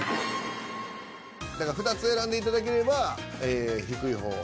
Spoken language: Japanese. だから２つ選んでいただければ低い方を。